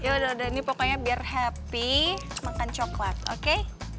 yaudah ini pokoknya biar happy makan coklat oke